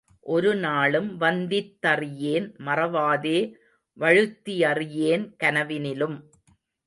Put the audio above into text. ஒருநாளும் வந்தித்தறியேன், மறவாதே வழுத்தியறியேன் கனவினிலும்.